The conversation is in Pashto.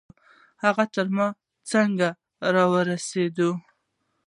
هغه به تر ما څنګه ورسېږي؟